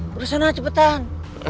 pergi sana cepetan